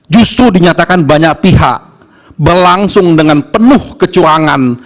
justru dinyatakan banyak pihak berlangsung dengan penuh kecurangan